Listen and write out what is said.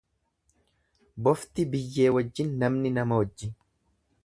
Bofti biyyee wajjin namni nama wajjin.